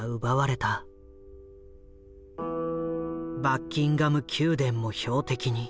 バッキンガム宮殿も標的に。